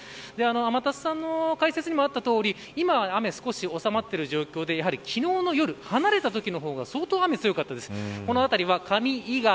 天達の解説にもあったとおり今は雨少し収まっている状況で昨日の夜、離れたときの方が相当、雨が強かったです。